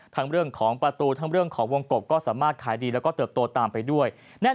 เรื่องของประตูทั้งเรื่องของวงกบก็สามารถขายดีแล้วก็เติบโตตามไปด้วย